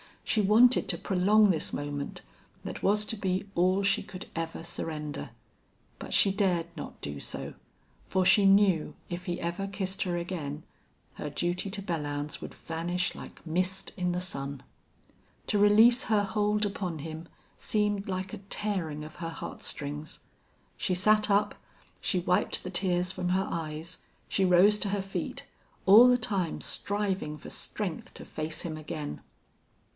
She wanted to prolong this moment that was to be all she could ever surrender. But she dared not do so, for she knew if he ever kissed her again her duty to Belllounds would vanish like mist in the sun. To release her hold upon him seemed like a tearing of her heartstrings. She sat up, she wiped the tears from her eyes, she rose to her feet, all the time striving for strength to face him again.